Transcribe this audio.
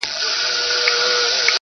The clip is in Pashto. خو دې زما د مرگ د اوازې پر بنسټ.